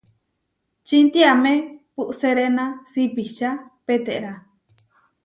Čintiame puʼseréna sipiča peterá.